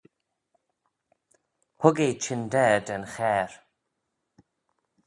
Hug eh chyndaa da'n charr